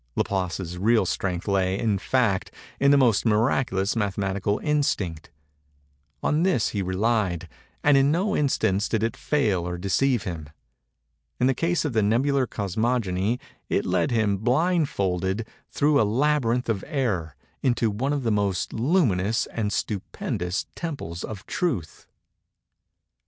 Laplace's real strength lay, in fact, in an almost miraculous mathematical instinct:—on this he relied; and in no instance did it fail or deceive him:—in the case of the Nebular Cosmogony, it led him, blindfolded, through a labyrinth of Error, into one of the most luminous and stupendous temples of Truth.